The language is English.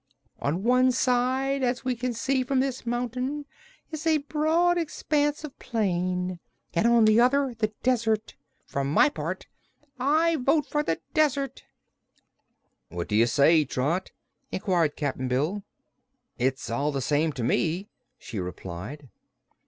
On one side, as we can see from this mountain, is a broad expanse of plain, and on the other the desert. For my part, I vote for the desert." "What do you say, Trot?" inquired Cap'n Bill. "It's all the same to me," she replied.